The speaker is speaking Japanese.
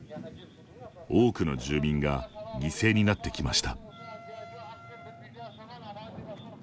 多くの住民が犠牲になってきました。